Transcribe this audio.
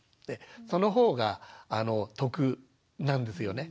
そのほうが得なんですよね。